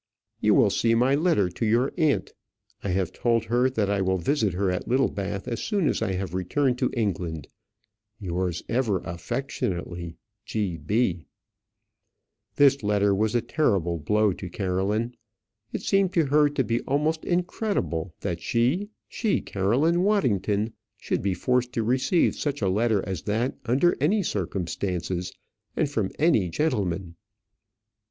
You will see my letter to your aunt. I have told her that I will visit her at Littlebath as soon as I have returned to England. Yours ever affectionately, G. B. This letter was a terrible blow to Caroline. It seemed to her to be almost incredible that she, she, Caroline Waddington, should be forced to receive such a letter as that under any circumstances and from any gentleman.